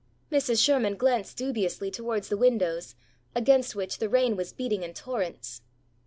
Mrs. Sherman glanced dubiously towards the windows, against which the rain was beating in torrents.